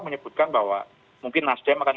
menyebutkan bahwa mungkin nasdem akan